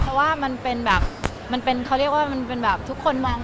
เพราะว่ามันเป็นแบบมันเป็นเขาเรียกว่ามันเป็นแบบทุกคนมอง